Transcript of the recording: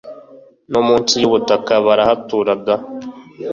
no munsi yubutaka barahatura da